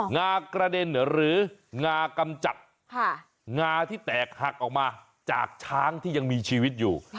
งากระเด็นหรืองากำจัดงาที่แตกหักออกมาจากช้างที่ยังมีชีวิตอยู่